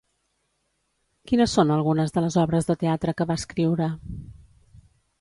Quines són algunes de les obres de teatre que va escriure?